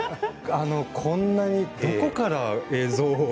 こんなにどこから映像を。